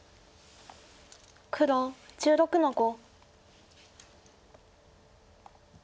黒１６の五。